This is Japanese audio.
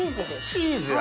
チーズや！